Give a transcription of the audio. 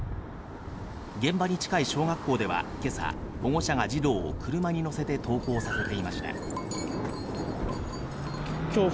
現場に近い小学校ではけさ、保護者が児童を車に乗せて登校させていました。